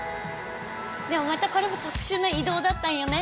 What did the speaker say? でもまたこれも特殊な移動だったんよね。